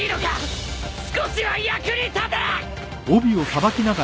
少しは役に立て！